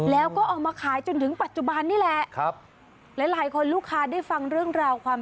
แล้วก็ออกมาขายจนถึงปัจจุบันนี้แหละ